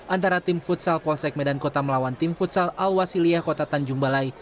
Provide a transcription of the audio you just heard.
antara tim futsal polsek medan kota melawan tim futsal al wasiliah kota tanjung balai